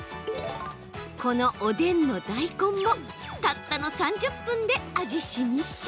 この、おでんの大根もたったの３０分で味しみっ